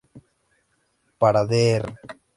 Para "Dr.